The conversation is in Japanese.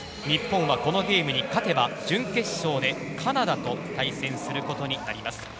日本は、このゲームに勝てば準決勝でカナダと対戦することになります。